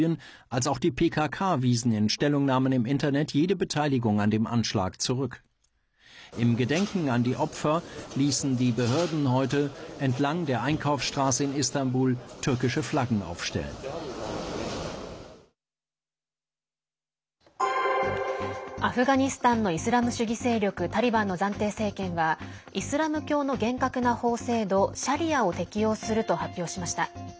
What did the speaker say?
アフガニスタンのイスラム主義勢力タリバンの暫定政権はイスラム教の厳格な法制度シャリアを適用すると発表しました。